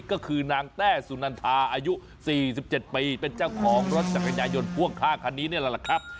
ก็คือนางแต้สุนันทาอายุ๔๗ปีเป็นเจ้าของรถจักรยายนพ่วงข้างคันนี้นี่แหละครับ